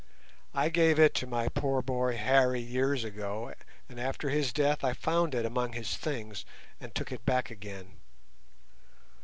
I gave it to my poor boy Harry years ago, and after his death I found it among his things and took it back again.